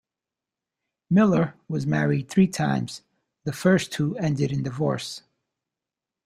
Miller was married three times, the first two ended in divorce.